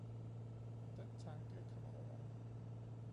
den tanke kommer over mig.